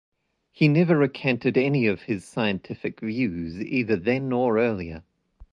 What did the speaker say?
He never recanted any of his scientific views, either then or earlier.